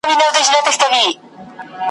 په واړه کور کي له ورور سره دښمن یو ,